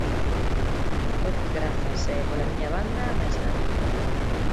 Moitas grazas e, pola miña banda, máis nada.